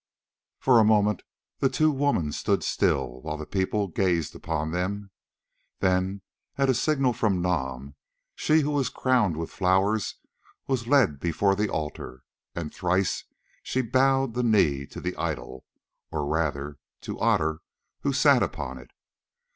For a moment the two women stood still while the people gazed upon them. Then, at a signal from Nam, she who was crowned with flowers was led before the altar, and thrice she bowed the knee to the idol, or rather to Otter who sat upon it.